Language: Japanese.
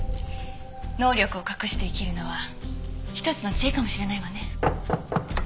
能力を隠して生きるのは一つの知恵かもしれないわね。